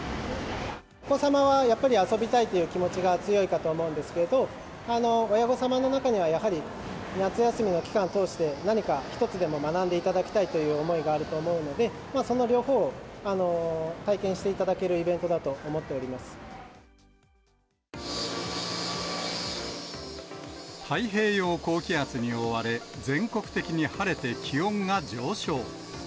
お子様はやっぱり遊びたいという気持ちが強いかと思うんですけど、親御様の中には、やはり夏休みの期間を通して、何か一つでも学んでいただきたいという思いがあると思うので、その両方を体験していただけるイ太平洋高気圧に覆われ、全国的に晴れて気温が上昇。